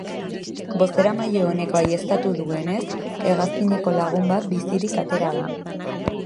Bozeramaile honek baieztatu duenez, hegazkineko lagun bat bizirik atera da.